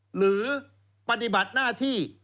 หรือปฏิบัติหน้าที่